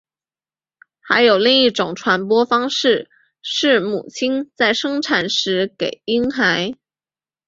还有另一种传播方式是母亲在生产时给婴孩。